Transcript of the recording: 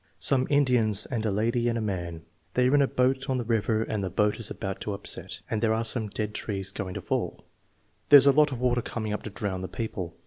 "Some Indians and a lady and man. They are in a boat on the river and the boat is about to upset, and there are some dead trees going to fall." "There's a lot of water coming up to drown the people.